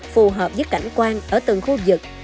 phù hợp với cảnh quan ở từng khu vực